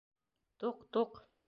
Тук-туҡ...